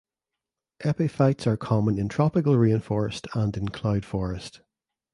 Epiphytes are common in tropical rain forest and in cloud forest.